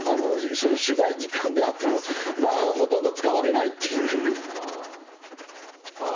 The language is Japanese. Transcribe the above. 取材時間であってもほとんど使われないっていう。